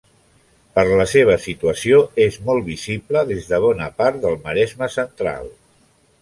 Per la seva situació és molt visible des de bona part del Maresme central.